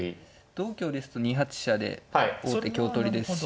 同香ですと２八飛車で王手香取りですし。